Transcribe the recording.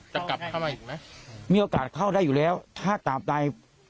กลับเข้ามาอีกไหมมีโอกาสเข้าได้อยู่แล้วถ้าตามใด